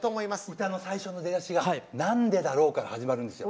歌の最初の出だしが「なんでだろう」から始まるんですよ。